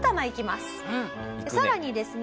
さらにですね